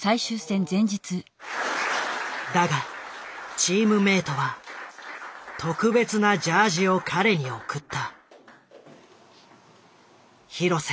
だがチームメートは特別なジャージを彼に贈った。